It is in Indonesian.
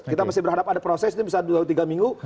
kita masih berharap ada proses ini bisa dua tiga minggu